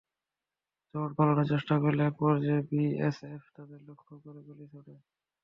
দৌড়ে পালানোর চেষ্টা করলে একপর্যায়ে বিএসএফ তাঁদের লক্ষ্য করে গুলি ছোড়ে।